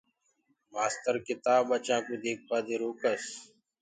مآستر ڪِتآب ٻچآ ڪوُ ديکوآ دي روڪس۔